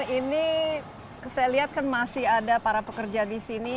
ini saya lihat kan masih ada para pekerja di sini